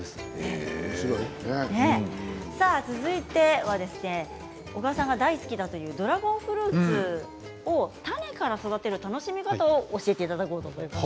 続いて、小川さんが大好きだというドラゴンフルーツを種から育てる楽しみ方を教えていただこうと思います。